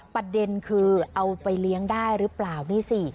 ประเด็นคือเอาไปเลี้ยงได้หรือเปล่านี่สิ